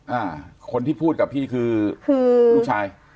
อ่าคนที่พูดกับพี่คือคือลูกชาย